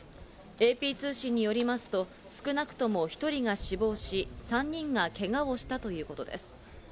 ＡＰ通信によりますと、少なくとも１人が死亡し、３人がけがをしたということです。